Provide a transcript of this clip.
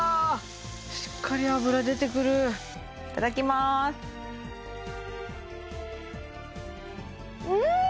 しっかり脂出てくるいただきますうん！